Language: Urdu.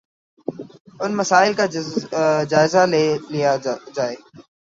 ان مسائل کا جائزہ لے لیا جائے